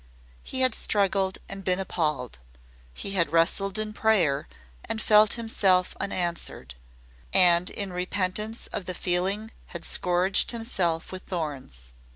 He had struggled and been appalled, he had wrestled in prayer and felt himself unanswered, and in repentance of the feeling had scourged himself with thorns.